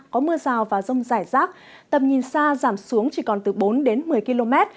có mưa rào và rông rải rác tầm nhìn xa giảm xuống chỉ còn từ bốn đến một mươi km